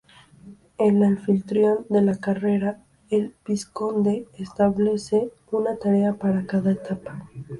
El anfitrión de la carrera, el vizconde, establece una tarea para cada etapa.